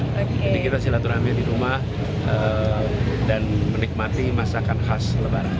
jadi kita silap turami di rumah dan menikmati masakan khas lebaran